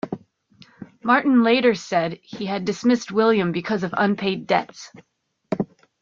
Martin later said he had dismissed William because of unpaid debts.